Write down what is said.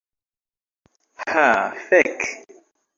Ha, fek'.